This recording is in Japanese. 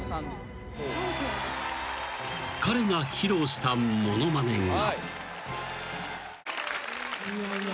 ［彼が披露したものまねが］